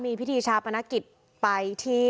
มีพิธีชาปนกิจไปที่